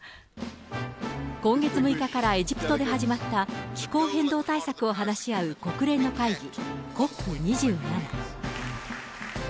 今月６日からエジプトで始まった気候変動対策を話し合う国連の会議、ＣＯＰ２７。